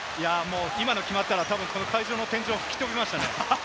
今の決まったら、この会場も天井を吹き飛びましたね。